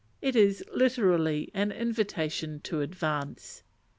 It is literally an invitation to advance.